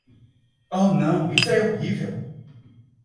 Oh não, isso é horrível!